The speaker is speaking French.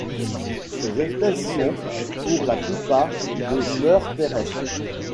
Ces espèces sont, pour la plupart, de mœurs terrestres.